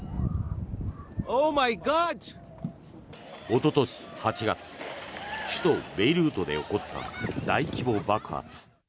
おととし８月首都ベイルートで起こった大規模爆発。